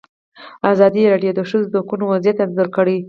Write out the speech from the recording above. ازادي راډیو د د ښځو حقونه وضعیت انځور کړی.